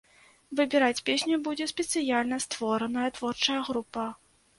Выбіраць песню будзе спецыяльна створаная творчая група.